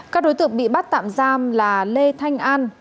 các đối tượng bị bắt tạm giam là lê thanh an